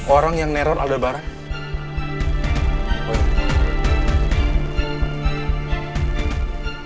orang yang nerol ada barang